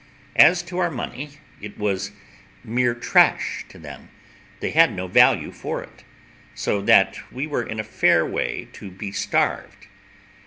As to our money, it was mere trash to them, they had no value for it; so that we were in a fair way to be starved.